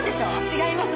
違います。